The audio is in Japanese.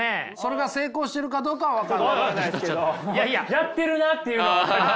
やってるなっていうのは分かります。